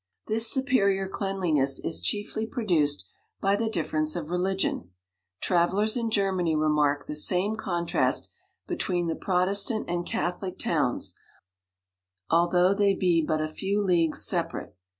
This superior cleanliness is chiefly produced by the difference of religion : travellers in Ger many remark the same contrast be 41 tween the protestant and catholic towns, although they be but a few leagues separate.